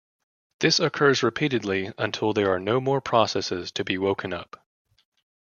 This occurs repeatedly, until there are no more processes to be woken up.